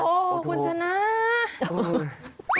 โอ้โฮคุณธนา